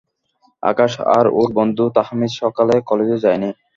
আকাশ আর ওর বন্ধু তাহমিদ সকালে কলেজে যায়নি।